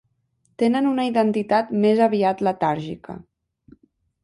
Tenen una identitat més aviat letàrgica.